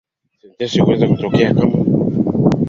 Sentensi huweza kutokea kama;